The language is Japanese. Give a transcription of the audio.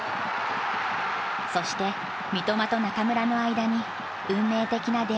そして三笘と中村の間に運命的な出会いが訪れる。